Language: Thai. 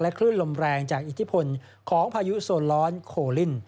คลื่นลมแรงจากอิทธิพลของพายุโซนร้อนโคลิน